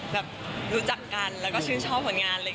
แบบรู้จักกันแล้วก็ชื่นชอบผลงานเลย